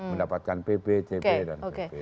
mendapatkan pb cb dan pp